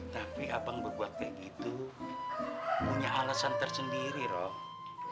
tapi abang berbuat kayak gitu punya alasan tersendiri roh